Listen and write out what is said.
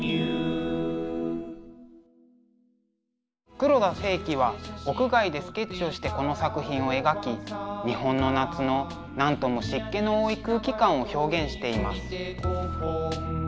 黒田清輝は屋外でスケッチをしてこの作品を描き日本の夏のなんとも湿気の多い空気感を表現しています。